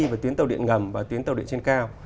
về tuyến tàu điện ngầm và tuyến tàu điện trên cao